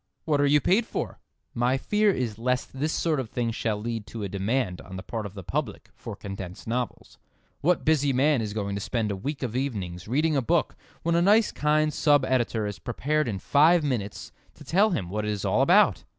What are you paid for?" My fear is lest this sort of thing shall lead to a demand on the part of the public for condensed novels. What busy man is going to spend a week of evenings reading a book when a nice kind sub editor is prepared in five minutes to tell him what it is all about!